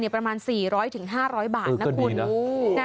ประมาณ๔๐๐๕๐๐บาทนะคุณ